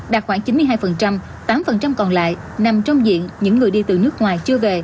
đạt khoảng chín mươi hai tám còn lại nằm trong diện những người đi từ nước ngoài chưa về